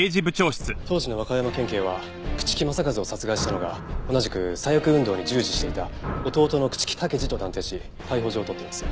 当時の和歌山県警は朽木政一を殺害したのが同じく左翼運動に従事していた弟の朽木武二と断定し逮捕状を取っています。